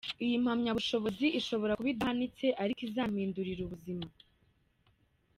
Iyi mpamyabushobozi ishobora kuba idahanitse ariko izampindurira ubuzima.